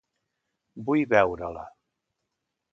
Vull veure-la.